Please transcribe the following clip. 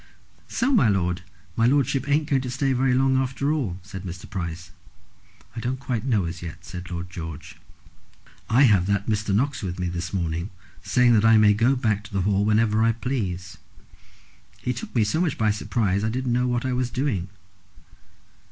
"So, my lord, his lordship ain't going to stay very long after all," said Mr. Price. "I don't quite know as yet," said Lord George. "I have had Mr. Knox with me this morning, saying that I may go back to the Hall whenever I please. He took me so much by surprise, I didn't know what I was doing."